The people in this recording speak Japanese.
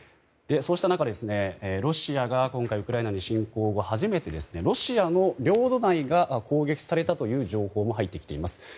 そうした中、ロシアが今回ウクライナに侵攻後初めてロシアの領土内が攻撃されたという情報も入ってきています。